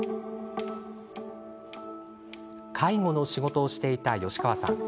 介護の仕事をしていた吉川さん。